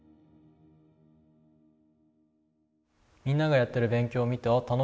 みんながやってる勉強を見てああ